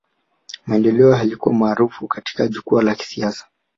mandela alikuwa maarufu katika jukwaa la kisiasa